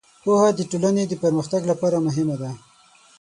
پوهه د ټولنې د پرمختګ لپاره مهمه ده.